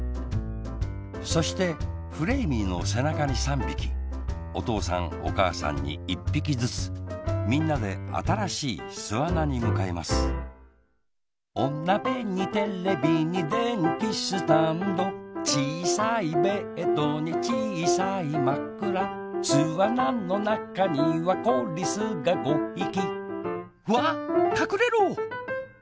そしてフレーミーのせなかに３びきおとうさんおかあさんに１ぴきずつみんなであたらしいすあなにむかいますおなべにテレビにでんきスタンドちいさいベッドにちいさいまくらすあなのなかにはこリスが５ひきわっかくれろ！